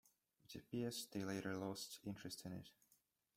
It appears they later lost interest in it.